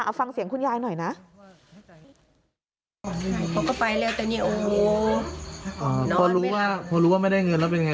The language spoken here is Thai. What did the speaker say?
เอาฟังเสียงคุณยายหน่อยนะเขาก็ไปแล้วแต่เนี่ยโอ้โห